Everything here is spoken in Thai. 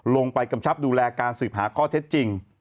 กำชับดูแลการสืบหาข้อเท็จจริง